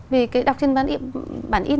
vì cái đọc trên bản in